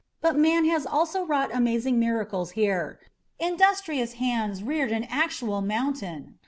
"But man has also wrought amazing miracles here. Industrious hands reared an actual mountain.